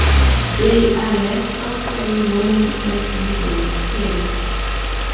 They are less often known as widow's tears.